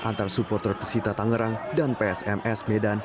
antar supporter persita tanggerang dan psms medan